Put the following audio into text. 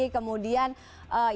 kemudian yang katanya visi media